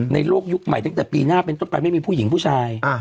โลกยุคใหม่ตั้งแต่ปีหน้าเป็นต้นไปไม่มีผู้หญิงผู้ชาย